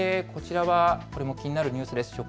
そしてこちらは気になるニュースです。